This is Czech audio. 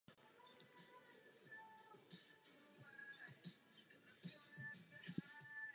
Zemřel v blíže neznámém roce a byl pohřben ve svém klášteře.